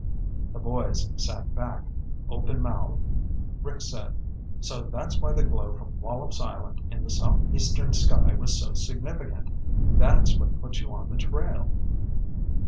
The boys sat back, openmouthed. Rick said, "So that's why the glow from Wallops Island in the south eastern sky was so significant. That's what put you on the trail!"